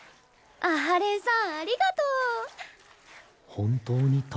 阿波連さんありがとう！